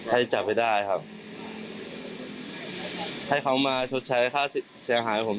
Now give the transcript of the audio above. ให้จับให้ได้ครับให้เขามาชดใช้ค่าเสียหายให้ผม